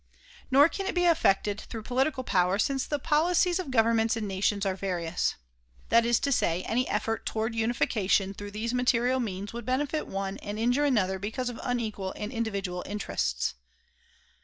Nor can it be effected through political power since the policies of governments and nations are various. That is to say, any effort toward unification through these material means would benefit one and injure another because of unequal and individual interests.